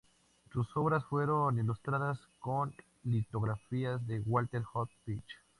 Sus obras fueron ilustradas con litografías de Walter Hood Fitch.